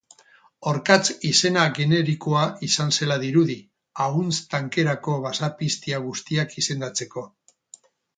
Orkatz izena generikoa izan zela dirudi, ahuntz tankerako basapiztia guztiak izendatzeko.